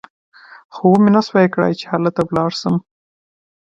خو ومې نه شوای کړای چې هلته ولاړ شم.